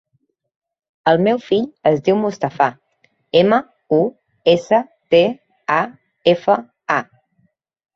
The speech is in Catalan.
El meu fill es diu Mustafa: ema, u, essa, te, a, efa, a.